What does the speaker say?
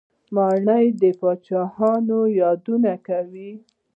ماڼۍ د پاچاهانو یادونه کوي.